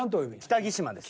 北木島です。